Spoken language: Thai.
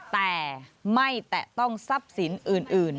แต่ไม่แตะต้องทรัพย์สินอื่น